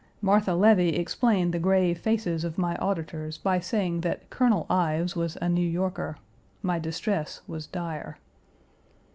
Martha Levy explained the grave faces of my auditors by saying that Colonel Ives was a New Yorker. My distress was dire.